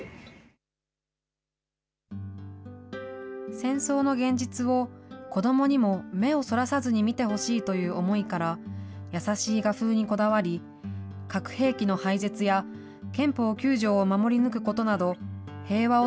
戦争の現実を、子どもにも目をそらさずに見てほしいという思いから、優しい画風にこだわり、核兵器の廃絶や憲法９条を守り抜くことなど、平和を